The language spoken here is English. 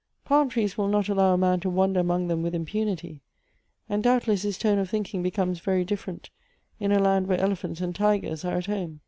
Palm trees will not allow a man to wander among them with impunity; and doubtless his tone of thinking becomes very different in a land where elephants and tigers are at home."